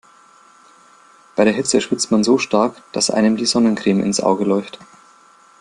Bei der Hitze schwitzt man so stark, dass einem die Sonnencreme ins Auge läuft.